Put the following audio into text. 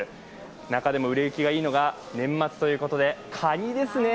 中でも売れ行きがいいのが年末ということで、かにですね。